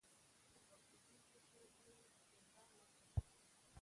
د غوث الدين تشي ته يې ګونډه ورکړه.